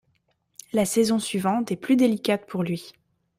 La saison suivante est plus délicate pour lui.